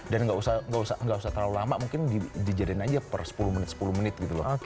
dan gak usah terlalu lama mungkin dijadikan aja per sepuluh menit sepuluh menit gitu loh